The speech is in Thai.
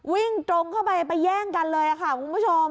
วิ่งตรงเข้าไปไปแย่งกันเลยค่ะคุณผู้ชม